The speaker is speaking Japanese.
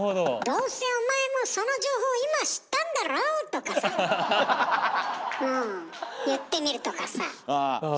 「どうせお前もその情報今知ったんだろ？」とかさ。言ってみるとかさ。